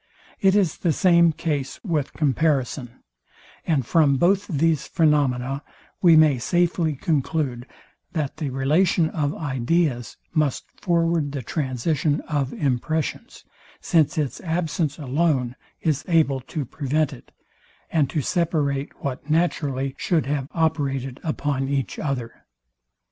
It is the same case with comparison; and from both these phaenomena we may safely conclude, that the relation of ideas must forward the transition of impressions; since its absence alone is able to prevent it, and to separate what naturally should have operated upon each other.